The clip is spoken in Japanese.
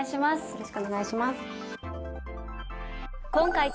よろしくお願いします。